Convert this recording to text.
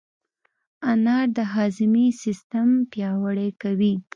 انار د هاضمې سیستم پیاوړی کوي.